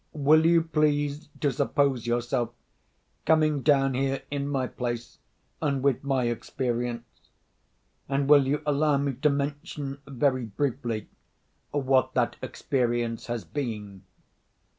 Will you please to suppose yourself coming down here, in my place, and with my experience? and will you allow me to mention very briefly what that experience has been?"